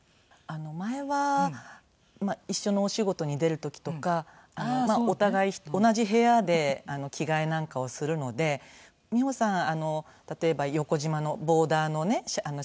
前は一緒のお仕事に出る時とかお互い同じ部屋で着替えなんかをするので美穂さん例えば横縞のボーダーのねシャツ着るのね。